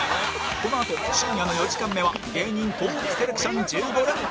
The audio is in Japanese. このあと深夜の４時間目は芸人トーークセレクション１５連発！